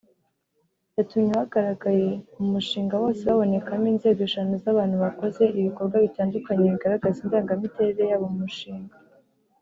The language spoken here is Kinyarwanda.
yatumye abagaragaye mu mushinga bose babonekamo inzego eshanu z’abantu bakoze ibikorwa bitandukanye bigaragaza indangamiterere yabo mu mushinga